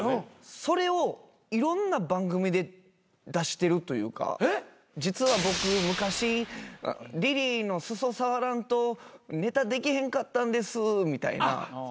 それをいろんな番組で出してるというか実は僕昔リリーの裾触らんとネタできへんかったんですみたいな。